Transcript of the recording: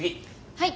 はい！